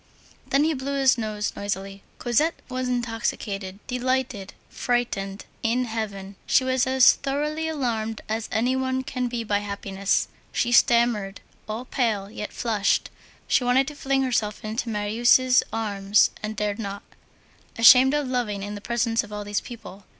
Then he blew his nose noisily. Cosette was intoxicated, delighted, frightened, in heaven. She was as thoroughly alarmed as any one can be by happiness. She stammered all pale, yet flushed, she wanted to fling herself into Marius' arms, and dared not. Ashamed of loving in the presence of all these people.